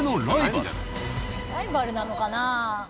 ライバルなのかな。